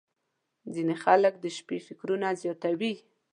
• ځینې خلک د شپې فکرونه زیاتوي.